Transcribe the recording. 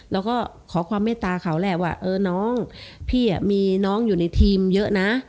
แล้วก็ขอความเมตตาเขาแหละว่าเออน้องพี่มีน้องอยู่ในทีมเยอะนะ